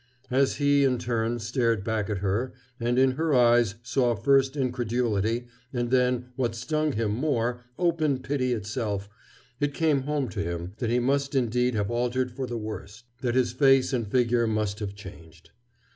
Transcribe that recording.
As he, in turn, stared back at her, and in her eyes saw first incredulity, and then, what stung him more, open pity itself, it came home to him that he must indeed have altered for the worse, that his face and figure must have changed.